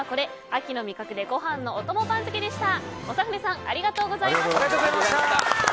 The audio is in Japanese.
秋の味覚でご飯のお供番付でした。